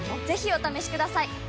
ぜひお試しください！